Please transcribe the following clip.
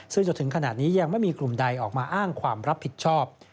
ซึ่งจนถึงขนาดนี้ยังไม่มีกลุ่มใดออกมาอ้างความรับผิดชอบ